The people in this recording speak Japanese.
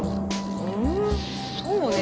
うんそうね。